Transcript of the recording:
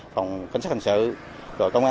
phòng cảnh sát hành sự rồi công an